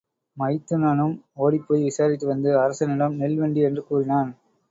மைத்துனனும் ஒடிப்போய் விசாரித்து வந்து, அரசனிடம் நெல் வண்டி என்று கூறினான்.